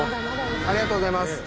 ありがとうございます。